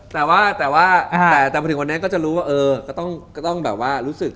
แต่ว่าแต่ว่าแต่พอถึงวันนี้ก็จะรู้ว่าเออก็ต้องแบบว่ารู้สึก